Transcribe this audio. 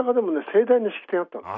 盛大に式典あったんです。